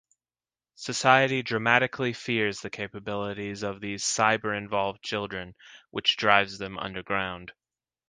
Society dramatically fears the capabilities of these "CyberEvolved" children, which drives them underground.